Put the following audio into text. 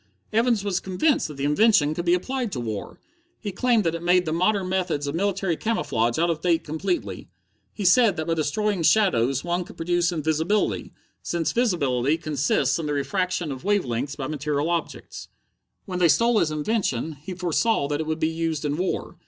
"Evans was convinced that the invention would be applied to war. He claimed that it made the modern methods of military camouflage out of date completely. He said that by destroying shadows one could produce invisibility, since visibility consists in the refraction of wave lengths by material objects. "When they stole his invention, he foresaw that it would be used in war.